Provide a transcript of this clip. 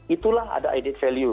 itulah ada added value